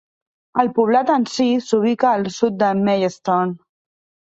El poblat en sí s'ubica al sud de Maidstone.